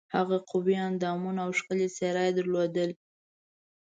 هغه قوي اندامونه او ښکلې څېره یې درلوده.